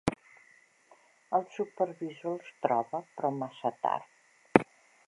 El supervisor els troba però massa tard.